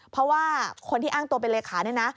เพราะว่าคนที่อ้างตัวเป็นเลขาเนี่ยนะ